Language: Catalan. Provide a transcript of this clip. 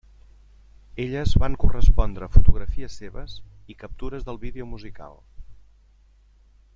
Elles van correspondre a fotografies seves i captures del vídeo musical.